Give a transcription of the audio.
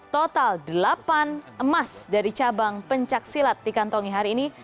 total delapan emas dari cabang pencaksilat dikantongi hari ini